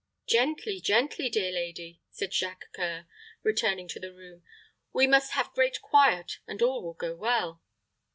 "Gently, gently, dear lady," said Jacques C[oe]ur, returning to the room. "We must have great quiet, and all will go well."